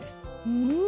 うん！